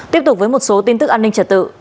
tiếp tục với một số tin tức an ninh trật tự